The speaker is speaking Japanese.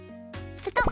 ペトッ。